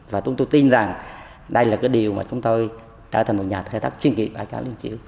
và chúng tôi tin rằng đây là cái điều mà chúng tôi trở thành một nhà khai thác chuyên nghiệp ở cảng đà liên chiểu